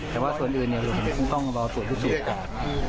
แต่ว่าส่วนอื่นผมต้องรอส่วนทุกสูตร